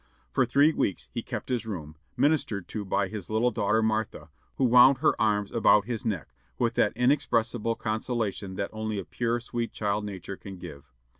For three weeks he kept his room, ministered to by his little daughter Martha, who wound her arms about his neck, with that inexpressible consolation that only a pure, sweet child nature can give.